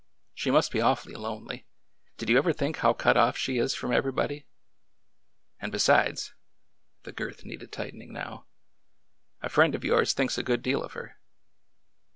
She must be awfully lonely — did you ever think how cut off she is from every body? And, besides,"— the girth needed tightening now, — a friend of yours thinks a good deal of her."